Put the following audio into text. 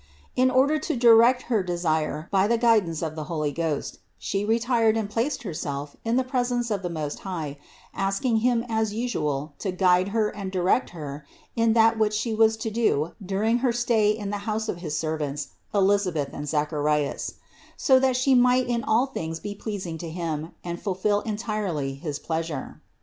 In order to direct her desire by the guidance of the Holy Ghost She retired and placed Herself in the presence of the Most High, asking Him as usual to guide Her and direct Her in that which She was to do during her stay in the house of his servants Elisabeth and Zacharias; so that She might in all things be pleasing to Him and fulfill entirely his pleasure.